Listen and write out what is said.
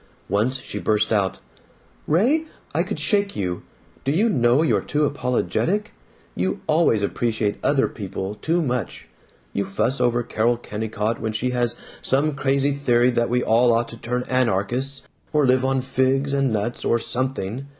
Once she burst out: "Ray, I could shake you! Do you know you're too apologetic? You always appreciate other people too much. You fuss over Carol Kennicott when she has some crazy theory that we all ought to turn anarchists or live on figs and nuts or something.